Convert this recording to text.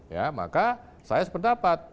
ya maka saya sependapat